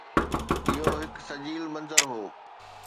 اهو هڪ سجيل منظر هو